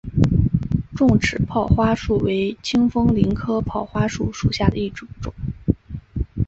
重齿泡花树为清风藤科泡花树属下的一个种。